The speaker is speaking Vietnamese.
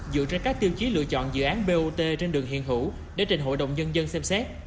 dựa trên các tiêu chí lựa chọn dự án bot trên đường hiện hữu để trình hội đồng nhân dân xem xét